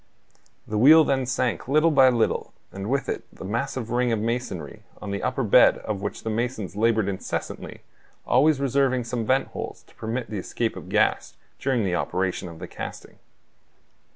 The wheel then sank little by little, and with it the massive ring of masonry, on the upper bed of which the masons labored incessantly, always reserving some vent holes to permit the escape of gas during the operation of the casting.